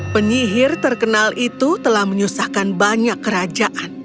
penyihir terkenal itu telah menyusahkan banyak kerajaan